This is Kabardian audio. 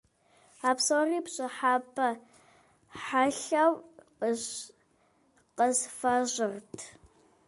А псори пщӀыхьэпӀэ хьэлъэу къысфӀэщӀырт.